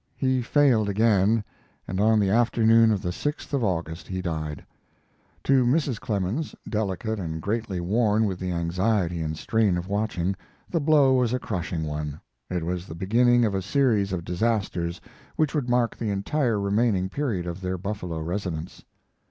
He failed again, and on the afternoon of the 6th of August he died. To Mrs. Clemens, delicate and greatly worn with the anxiety and strain of watching, the blow was a crushing one. It was the beginning of a series of disasters which would mark the entire remaining period of their Buffalo residence.